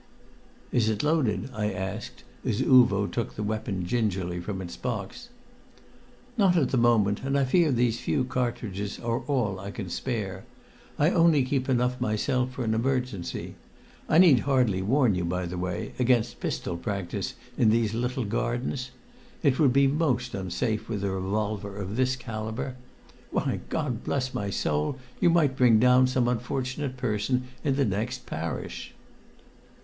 "Is it loaded?" I asked as Uvo took the weapon gingerly from its box. "Not at the moment, and I fear these few cartridges are all I can spare. I only keep enough myself for an emergency. I need hardly warn you, by the way, against pistol practice in these little gardens? It would be most unsafe with a revolver of this calibre. Why, God bless my soul, you might bring down some unfortunate person in the next parish!"